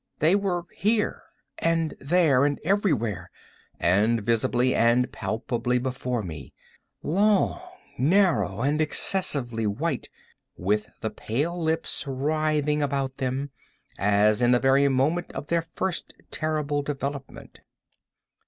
—they were here, and there, and everywhere, and visibly and palpably before me; long, narrow, and excessively white, with the pale lips writhing about them, as in the very moment of their first terrible development.